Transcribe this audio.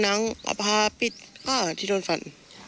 หนังอภาพิษที่โดนฝัน